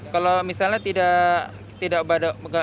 kalau misalnya tidak bawa uang cash